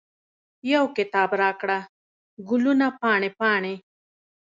یو کتاب راکړه، ګلونه پاڼې، پاڼې